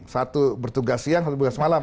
satu bertugas siang satu tugas malam